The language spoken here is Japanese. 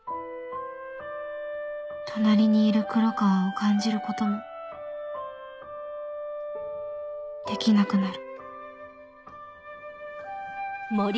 隣にいる黒川を感じることもできなくなる